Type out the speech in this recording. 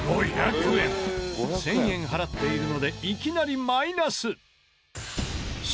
１０００円払っているのでいきなりマイナス。